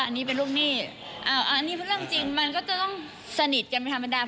อันนี้เป็นลูกหนี้อันนี้เป็นเรื่องจริงมันก็จะต้องสนิทกันเป็นธรรมดา